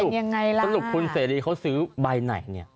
เป็นยังไงล่ะสรุปคุณเสรีเขาซื้อใบไหนเนี่ย